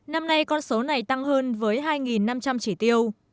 năm nay con số này tăng hơn với hai năm trăm linh chỉ tiêu